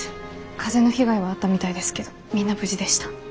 風の被害はあったみたいですけどみんな無事でした。